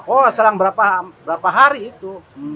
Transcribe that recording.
oh selang berapa hari itu